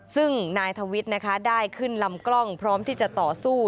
ซึ่งนายทวิทย์นะคะได้ขึ้นลำกล้องพร้อมที่จะต่อสู้